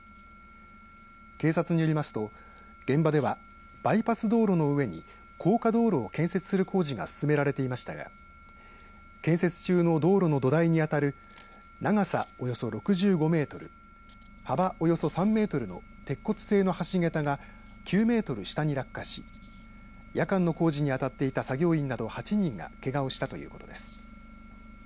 警察によりますと、現場ではバイパス道路の上に高架道路を建設する工事が進められていましたが建設中の道路の土台に当たる長さおよそ６５メートル幅およそ３メートルの鉄骨製の橋桁が９メートル下に落下し夜間の工事に当たっていた作業員など８人がけがをしたということです。